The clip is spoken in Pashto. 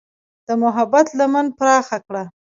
د محبت لمن پراخه کړه.